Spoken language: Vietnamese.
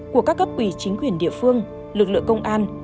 của các cấp ủy chính quyền địa phương lực lượng công an